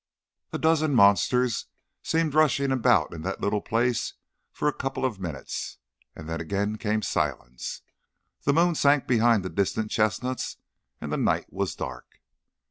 A dozen monsters seemed rushing about in that little place for a couple of minutes, and then again came silence. The moon sank behind the distant chestnuts and the night was dark.